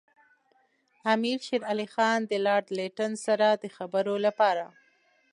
امیر شېر علي خان د لارډ لیټن سره د خبرو لپاره.